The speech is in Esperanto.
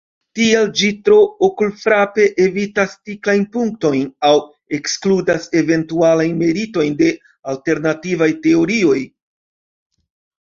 Tial ĝi tro okulfrape evitas tiklajn punktojn aŭ ekskludas eventualajn meritojn de alternativaj teorioj.